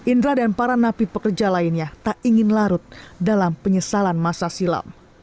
indra dan para napi pekerja lainnya tak ingin larut dalam penyesalan masa silam